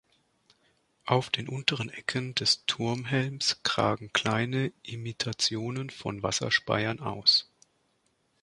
Auf den unteren Ecken des Turmhelms kragen kleine Imitationen von Wasserspeiern aus.